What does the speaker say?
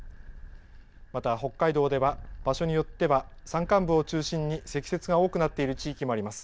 また北海道では、場所によっては山間部を中心に、積雪が多くなっている地域もあります。